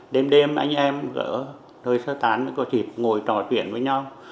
đêm đêm anh em gỡ đôi sơ tán có dịp ngồi trò chuyện với nhau